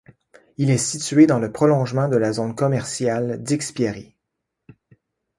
Il est situé dans le prolongement de la zone commerciale d'Ikspiari.